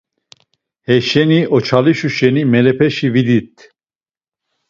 Heşeni oçalişu şeni melepeşi vit̆it.